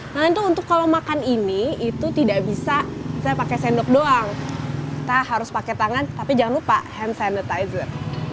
nah itu untuk kalau makan ini itu tidak bisa kita pakai sendok doang kita harus pakai tangan tapi jangan lupa hand sanitizer